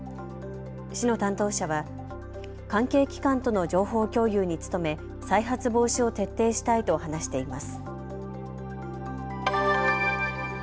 市の担当者は、関係機関との情報共有に努め再発防止を徹底したいと話しています。